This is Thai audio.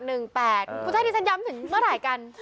คุณชาติที่ฉันย้ำถึงเมื่อไหร่กัน